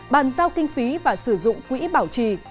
bàn giao kinh phí và sử dụng quỹ bảo trì